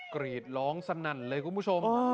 กรีดร้องสนั่นเลยคุณผู้ชม